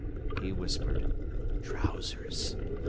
He whispered: "Trousers